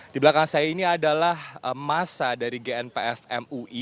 di belakang saya ini adalah masa dari gnpf mui